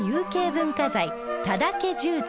文化財多田家住宅